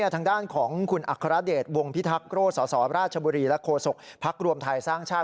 ทางด้านของคุณอัครเดชวงพิทักษโรธสสราชบุรีและโฆษกภักดิ์รวมไทยสร้างชาติ